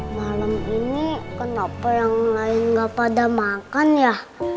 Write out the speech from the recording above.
malam ini kenapa yang lain nggak pada makan ya